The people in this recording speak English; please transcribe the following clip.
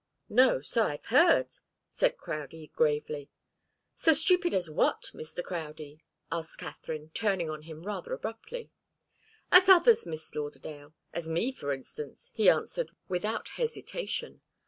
"No so I've heard," said Crowdie, gravely. "So stupid as what, Mr. Crowdie?" asked Katharine, turning on him rather abruptly. "As others, Miss Lauderdale as me, for instance," he answered, without hesitation.